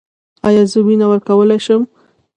ایا زه وینه ورکولی شم؟